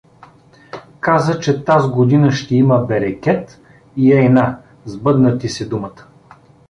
Каза, че таз година ще има берекет, и ей на, сбъдна ти се думата.